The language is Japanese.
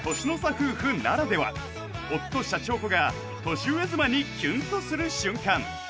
夫婦ならでは夫シャチホコが年上妻にキュンとする瞬間